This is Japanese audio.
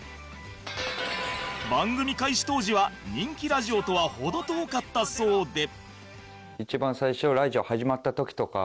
番組開始当時は人気ラジオとは程遠かったそうで